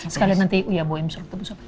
sekali nanti iya bu yang bisa rute bu sobat